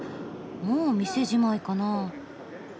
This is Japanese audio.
もう店じまいかな？